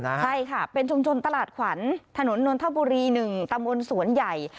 ใช่ค่ะเป็นชุมชนตลาดขวัญถนนนนทบุรี๑ตำบลสวนใหญ่